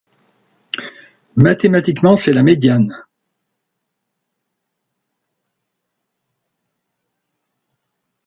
Mathématiquement, c'est la médiane.